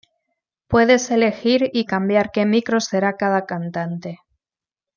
Puedes elegir y cambiar que micro será cada cantante.